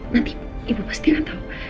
nanti ibu pasti akan tahu